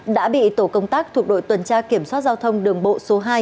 đã bị tổ công tác thuộc đội tuần tra kiểm soát giao thông đường bộ số hai